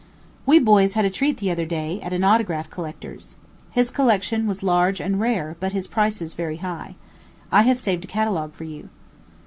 We boys had a treat the other day at an autograph collector's. His collection was large and rare, but his prices very high. I have saved a catalogue for you.